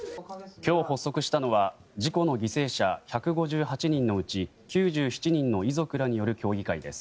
今日、発足したのは事故の犠牲者１５８人のうち９７人の遺族らによる協議会です。